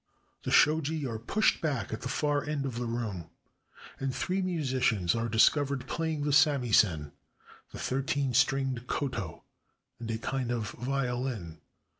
The shoji are pushed back at the far end of the room, and three musicians are discovered playing the samisen, the thirteen stringed koto, and a kind of violin.